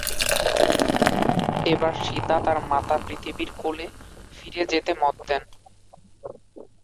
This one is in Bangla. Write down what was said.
এবার সীতা তার মাতা পৃথিবীর কোলে ফিরে যেতে মত দেন।